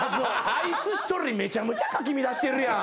あいつ１人めちゃめちゃかき乱してるやん。